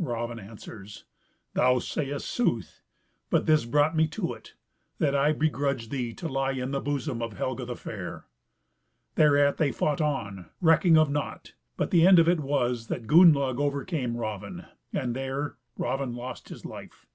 Raven answers, "Thou sayest sooth, but this brought me to it, that I begrudged thee to lie in the bosom of Helga the Fair." Thereat they fought on, recking of nought; but the end of it was that Gunnlaug overcame Raven, and there Raven lost his life..